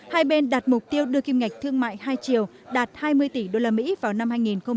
hai bên đạt mục tiêu đưa kiếm ngạch thương mại hai chiều đạt hai mươi tỷ đô la mỹ vào năm hai nghìn hai mươi